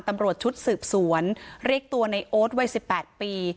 ตำรวจชุดสืบสวนเรียกตัวในโอ๊ตวัย๑๘ปี